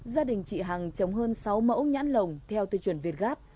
gia đình chị hằng trồng hơn sáu mẫu nhãn lồng theo tiêu chuẩn việt gáp